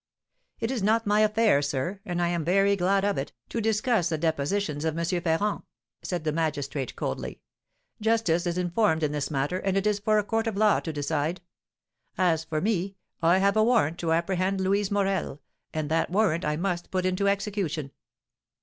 "It is not my affair, sir, and I am very glad of it, to discuss the depositions of M. Ferrand," said the magistrate, coldly. "Justice is informed in this matter, and it is for a court of law to decide. As for me, I have a warrant to apprehend Louise Morel, and that warrant I must put into execution."